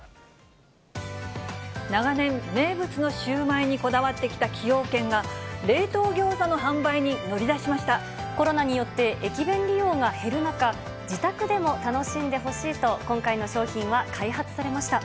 長年、名物のシウマイにこだわってきた崎陽軒が、冷凍餃子の販売に乗りコロナによって駅弁利用が減る中、自宅でも楽しんでほしいと、今回の商品は開発されました。